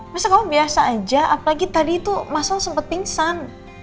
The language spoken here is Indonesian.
masa kamu biasa saja apalagi tadi itu mas wal sempat pingsan